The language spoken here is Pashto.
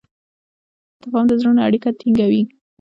تفاهم د زړونو اړیکه ټینګه کوي.